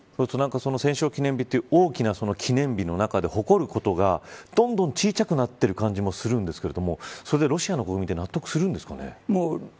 戦勝記念日という大きな記念日の中で誇ることが、どんどん小さくなっている感じもするんですがそれでロシア国民が納得するんですかね。